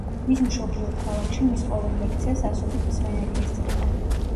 მის მშობლიურ ქალაქში მის ყოველ ლექციას ასობით მსმენელი ესწრება.